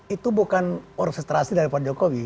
itu bukan orkestrasi dari pak jokowi